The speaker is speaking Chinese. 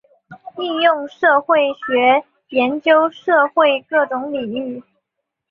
应用社会学研究社会各种领域。